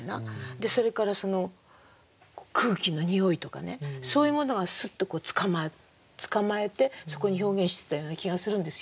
それから空気の匂いとかねそういうものがすっと捕まえてそこに表現してたような気がするんですよ。